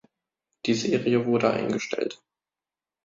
Die Serie wurde eingestellt.